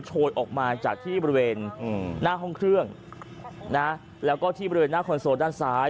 โชยออกมาจากที่บริเวณหน้าห้องเครื่องนะแล้วก็ที่บริเวณหน้าคอนโซลด้านซ้าย